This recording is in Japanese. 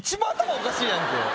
おかしいやんけ